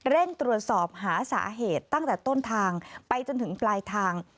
เร่งตรวจสอบหาสาเหตุตั้งแต่ต้นทางไปจนถึงปลายทาง